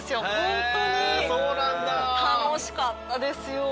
楽しかったですよ。